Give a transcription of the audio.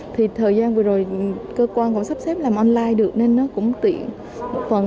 thì thời gian vừa rồi cơ quan còn sắp xếp làm online được nên nó cũng tiện một phần